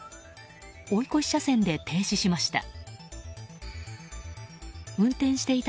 追い越し車線で停止しました。